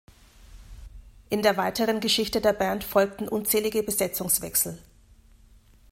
In der weiteren Geschichte der Band folgten unzählige Besetzungswechsel.